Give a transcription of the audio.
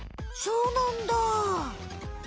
そうなんだ！